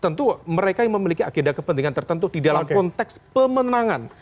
tentu mereka yang memiliki agenda kepentingan tertentu di dalam konteks pemenangan